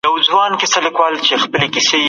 علمي پوهه د عقل او استدلال پر بنسټ ولاړه ده.